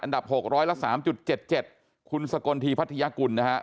อันดับ๖ร้อยละ๓๗๗คุณสกนทีพัทยกุลนะฮะ